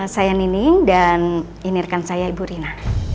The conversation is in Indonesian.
saya nining dan inirkan saya ibu rina